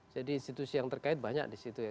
jadi institusi yang terkait banyak di situ ya